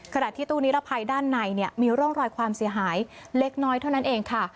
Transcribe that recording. ขณะที่ตู้นิรภัยด้านในมีร่องรอยความเสียหายเล็กน้อยเท่านั้นเองค่ะ